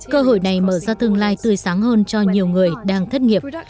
cơ hội này mở ra tương lai tươi sáng hơn cho nhiều người đang thất nghiệp